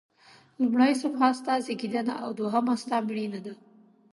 لومړۍ صفحه ستا زیږېدنه او دوهمه ستا مړینه ده.